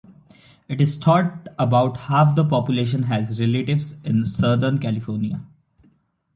It is thought about half the population has relatives in Southern California.